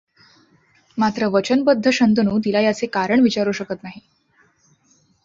मात्र वचनबद्ध शंतनू तिला याचे कारण विचारू शकत नाही.